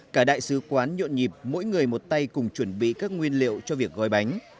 cả đại sứ quán nhộn nhịp mỗi người một tay cùng chuẩn bị các nguyên liệu cho việc gói bánh